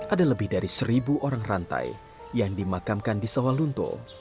ada lebih dari seribu orang rantai yang dimakamkan di sawalunto